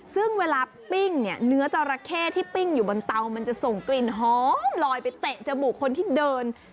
ซึ่งเวลาปิ้งเนี่ยเนื้อจราเข้ที่ปิ้งอยู่บนเตามันจะส่งกลิ่นหอมลอยไปเตะจมูกคนที่เดิน